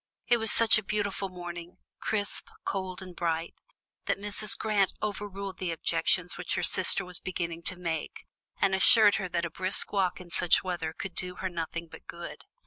It was such a beautiful morning, crisp, cold and bright, that Mrs. Grant over ruled the objections which her sister was beginning to make, and assured her that a brisk walk in such weather could do her nothing but good.